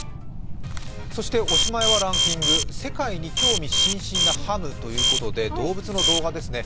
おしまいはランキング、世界に興味津々なハムということで動物の動画ですね。